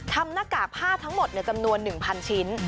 หน้ากากผ้าทั้งหมดจำนวน๑๐๐ชิ้น